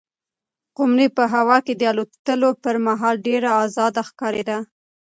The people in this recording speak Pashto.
قمرۍ په هوا کې د الوتلو پر مهال ډېره ازاده ښکارېده.